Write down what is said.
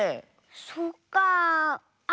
そっかあ。